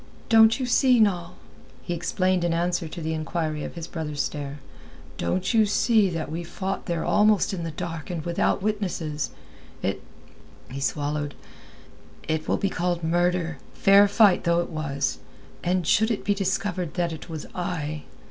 "Don't you see, Noll?" he explained in answer to the inquiry of his brother's stare, "don't you see that we fought there almost in the dark and without witnesses. It...." he swallowed, "it will be called murder, fair fight though it was; and should it be discovered that it was I...."